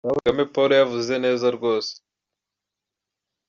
Ndabona Kagame Paul yavuze neza rwose.